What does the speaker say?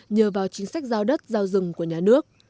nhờ vào chính sách giao đất giao rừng của nhà nước